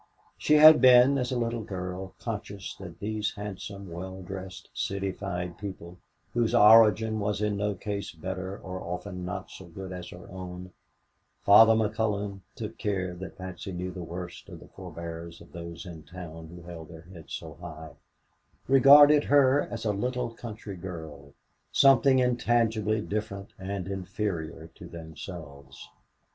She had been, as a little girl, conscious that these handsome, well dressed, citified people, whose origin was in no case better and often not so good as her own Father McCullon took care that Patsy knew the worst of the forebears of those in town who held their heads so high regarded her as a little country girl, something intangibly different and inferior to themselves.